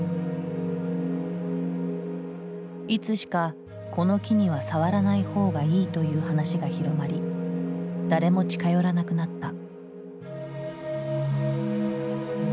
いつしかこの木には触らないほうがいいという話が広まり誰も近寄らなくなった。